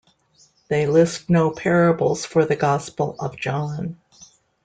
They list no parables for the Gospel of John.